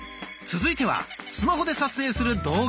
続いてはスマホで撮影する動画。